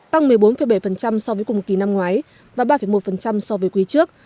tăng một mươi bốn bảy so với cùng kỳ năm ngoái và ba một so với quý trước